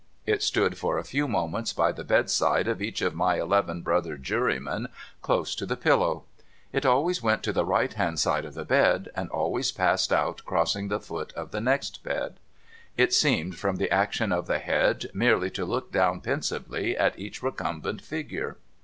It stood for a few moments by the bedside of each of my eleven brother jurymen, close to the pillow. It always went to the right hand side of the bed, and always passed out crossing the foot of the next bed. It seemed, from the action of the head, merely to look down pensively at each recumbent figure.